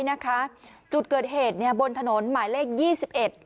นะคะจุดเกิดเหตุเนี่ยบนถนนหมายเลขยี่สิบเอ็ด